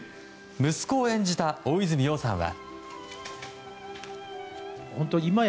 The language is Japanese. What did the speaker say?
息子を演じた大泉洋さんは。